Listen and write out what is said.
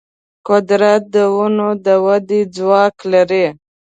قدرت د ونو د ودې ځواک لري.